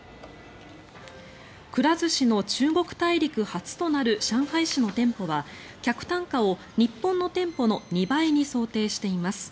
くら寿司の中国大陸初となる上海市の店舗は客単価を日本の店舗の２倍に想定しています。